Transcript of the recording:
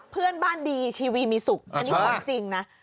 เพื่อนบ้านดีชีวิตมีสุขอันนี้ความจริงนะ